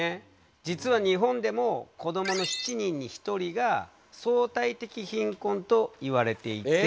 実は日本でも子どもの７人に１人が相対的貧困といわれていて。